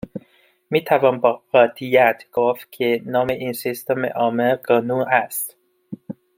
میتوان با قطعیت گفت که نام این سیستمعامل «گنو» است